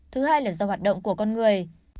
thứ hai là do hoạt động của con người